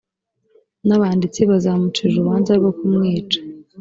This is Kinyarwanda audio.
n abanditsi bazamucira urubanza rwo kumwica